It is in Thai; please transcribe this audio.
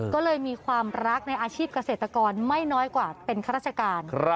ก็เลยมีความรักในอาชีพเกษตรกรไม่น้อยกว่าเป็นข้าราชการ